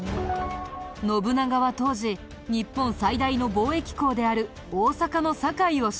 信長は当時日本最大の貿易港である大坂の堺を支配。